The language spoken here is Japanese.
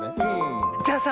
じゃあさ